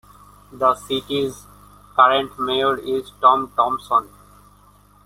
The city's current mayor is Tom Thompson.